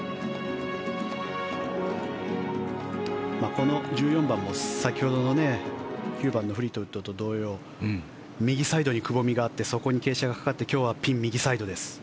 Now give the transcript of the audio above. この１４番も先ほどの９番のフリートウッドと同様右サイドにくぼみがあってそこに傾斜がかかって今日はピン右サイドです。